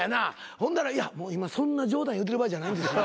ほんだらもう今そんな冗談言うてる場合じゃないんです。